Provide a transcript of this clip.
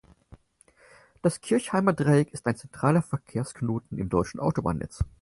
Das Kirchheimer Dreieck ist ein zentraler Verkehrsknoten im deutschen Autobahnnetz.